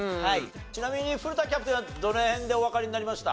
ちなみに古田キャプテンはどの辺でおわかりになりました？